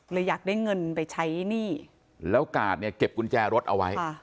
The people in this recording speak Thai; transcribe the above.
อยากได้เงินไปใช้หนี้แล้วกาดเนี่ยเก็บกุญแจรถเอาไว้